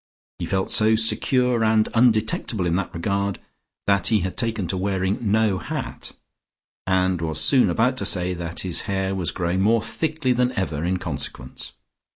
He felt so secure and undetectable in that regard that he had taken to wearing no hat, and was soon about to say that his hair was growing more thickly than ever in consequence.